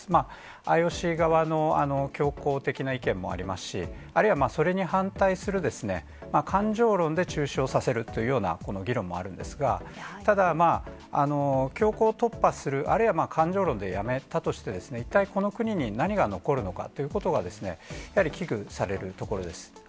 ＩＯＣ側の強行的な意見もありますし、あるいはそれに反対する感情論で中止をさせるというようなこの議論もあるんですが、ただ、強行突破する、あるいは感情論でやめたとして、一体この国に何が残るのかっていうことが、やはり危惧されるところです。